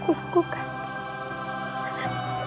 ibu aku yang harus melepaskan dirimu